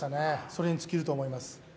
それにつきると思います。